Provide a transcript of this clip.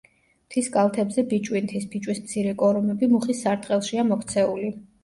მთის კალთებზე ბიჭვინთის ფიჭვის მცირე კორომები მუხის სარტყელშია მოქცეული.